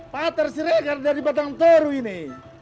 patar siregar dari batang toru ini